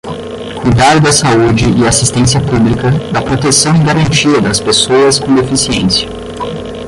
cuidar da saúde e assistência pública, da proteção e garantia das pessoas com deficiência